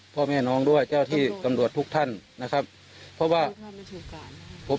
พ่อแม่น้องด้วยเจ้าที่กำลวจทุกท่านนะครับเพราะว่าผมรู้เท่าไม่ถึงการนะครับ